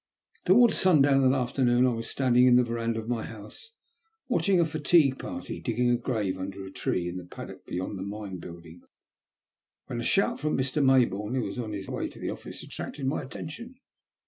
Towards sundown that afternoon I was standing in the verandah of my house, watching a fatigue party digging a grave under a tree in the paddock beyond the mine buildings, when a shout from Mr. Maybourne, who was on his way to the office, attracted my attention.